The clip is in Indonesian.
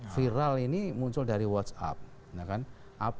viral ini muncul dari whatsapp